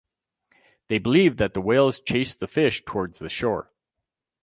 They believed that the whales chased the fish towards the shore.